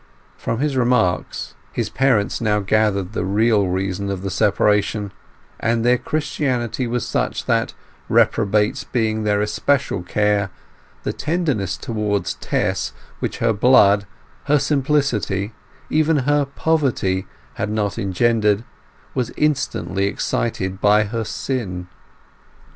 From his remarks his parents now gathered the real reason of the separation; and their Christianity was such that, reprobates being their especial care, the tenderness towards Tess which her blood, her simplicity, even her poverty, had not engendered, was instantly excited by her sin.